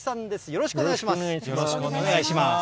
よろしくお願いします。